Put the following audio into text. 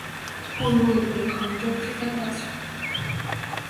后入读杭州之江大学。